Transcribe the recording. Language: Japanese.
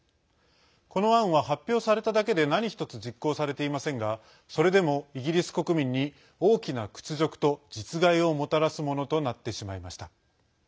この案は発表されただけで何一つ実行されていませんがそれでも、イギリス国民に大きな屈辱と実害をもたらすものとなってしまいました。